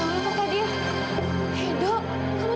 kamu tuh apa apaan sih kenapa main pukul kak sadil